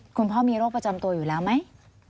คุณพ่อมีโรคประจำตัวอยู่แล้วไหม